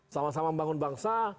sama sama membangun bangsa